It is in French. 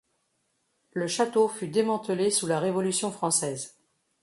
Le château fut démantelé sous la Révolution française.